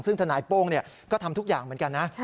ซึ่งทนายโป้งก็ทำทุกอย่างเหมือนกันนะ